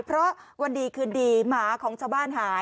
เพราะวันดีคืนดีหมาของชาวบ้านหาย